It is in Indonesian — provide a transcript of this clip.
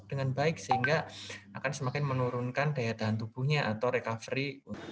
dengan baik sehingga akan semakin menurunkan daya tahan tubuhnya atau recovery